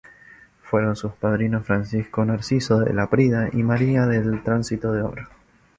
Fueron sus padrinos Francisco Narciso de Laprida y María del Tránsito de Oro.